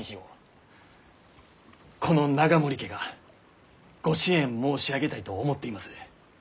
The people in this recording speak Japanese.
この永守家がご支援申し上げたいと思っています。